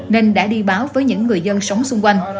nên đã đi báo với những người dân sống xung quanh